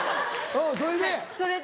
それで？